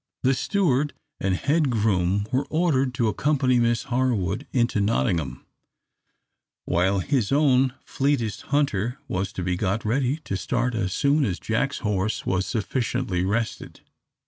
The steward and head groom were ordered to accompany Miss Harwood into Nottingham, while his own fleetest hunter was to be got ready to start as soon as Jack's horse was sufficiently rested.